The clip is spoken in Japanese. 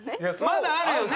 まだあるよね。